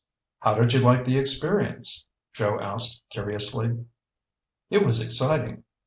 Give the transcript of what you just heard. "How did you like the experience?" Joe asked curiously. "It was exciting.